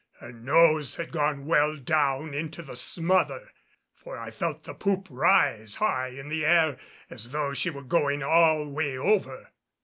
Her nose had gone well down into the smother, for I felt the poop rise high in the air as though she were going all way over.